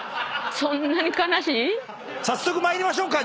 早速参りましょうか。